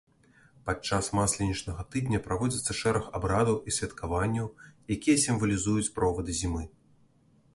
Падчас масленічнага тыдня праводзіцца шэраг абрадаў і святкаванняў, якія сімвалізуюць провады зімы.